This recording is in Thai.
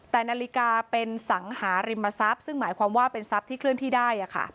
แต่นาฬิกาเป็นสังหาริมทรัพย์ซึ่งหมายความว่าเป็นทรัพย์ที่เคลื่อนที่ได้